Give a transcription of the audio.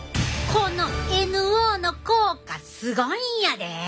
このＮＯの効果すごいんやでえ！